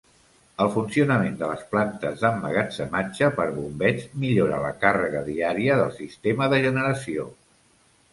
El funcionament de les plantes d'emmagatzematge per bombeig millora la càrrega diària del sistema de generació.